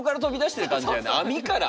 網から。